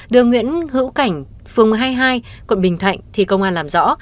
đường nguyễn hữu cảnh phường hai mươi hai quận bình thạnh thì công an làm rõ